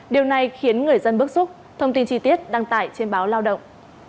điều này khiến người dân bức xúc thông tin chi tiết đăng tải trên báo lao động